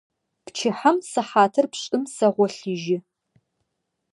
Пчыхьэм сыхьатыр пшӀым сэгъолъыжьы.